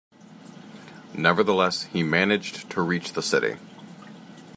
Nevertheless, he managed to reach the city.